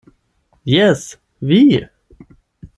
Jes, vi!